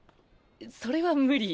それは無理。